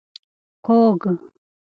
کوږ